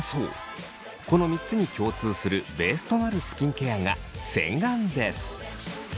この３つに共通するベースとなるスキンケアが洗顔です。